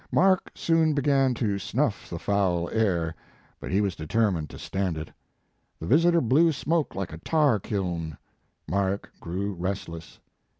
Mark soon began to snuff the foul air, but he was determined to stand it. The visitor blew smoke like a tar kiln. Mark grew restless.